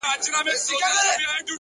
د باد له راتګ مخکې هوا بدلېږي،